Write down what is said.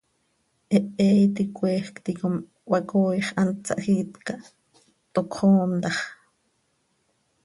¡Hehe iti coeecj ticom cöhacooix hant sahjiit ca, toc cöxoom tax!